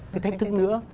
cái thách thức nữa